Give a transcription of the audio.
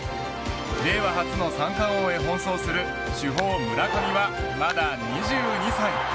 令和初の三冠王へ奔走する主砲村上はまだ２２歳。